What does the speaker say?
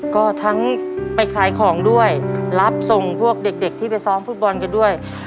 ก็ทั้งไปขายของด้วยรับส่งพวกเด็กที่ไปซ้อมฟุตบอลกันด้วย